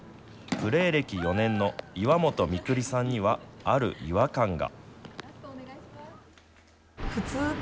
プレー歴４年の岩元三栗さんにはある違和感が。